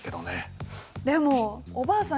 でもおばあさん